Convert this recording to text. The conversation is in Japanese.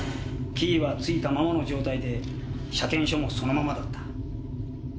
キーはついたままの状態で車検証もそのままだった。